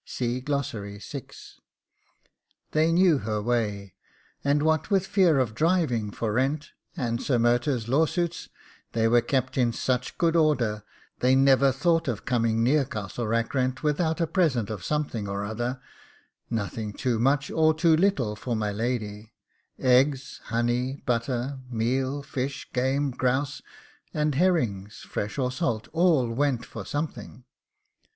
They knew her way, and what with fear of driving for rent and Sir Murtagh's lawsuits, they were kept in such good order, they never thought of coming near Castle Rackrent without a present of something or other nothing too much or too little for my lady eggs, honey, butter, meal, fish, game, grouse, and herrings, fresh or salt, all went for something.